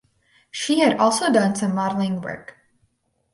She had also done some modeling work.